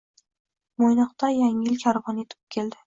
Mo‘ynoqda yangi yil karvoni yetib keldi